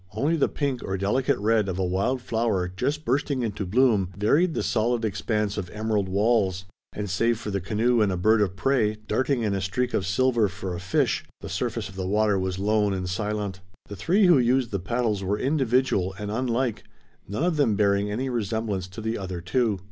Only the pink or delicate red of a wild flower just bursting into bloom varied the solid expanse of emerald walls; and save for the canoe and a bird of prey, darting in a streak of silver for a fish, the surface of the water was lone and silent. The three who used the paddles were individual and unlike, none of them bearing any resemblance to the other two.